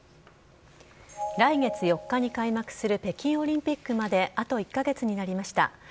来月４日に開幕する北京オリンピックまであと１か月になりました。